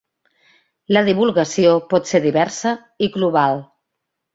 La divulgació pot ser diversa i global.